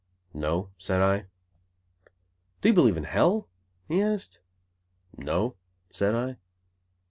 "No," said I. "Do you believe in hell?" he asked. "No," said I.